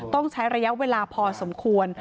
ต้องใช้ระยะเวลาพอสมควร